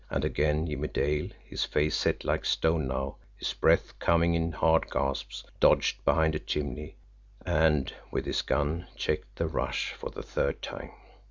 And again Jimmie Dale, his face set like stone now, his breath coming in hard gasps, dodged behind a chimney, and with his gun checked their rush for the third time.